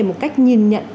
một cách nhìn nhận